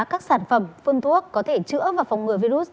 các sản phẩm phun thuốc có thể chữa và phòng ngừa virus